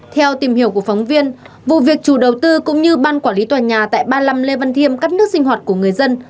theo tìm hiểu của phóng viên vụ việc chủ đầu tư cũng như ban quản lý tòa nhà tại ba mươi năm lê văn thiêm cắt nước sinh hoạt của người dân